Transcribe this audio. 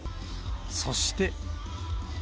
そして。